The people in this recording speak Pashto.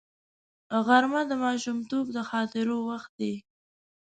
غرمه د ماشومتوب د خاطرو وخت دی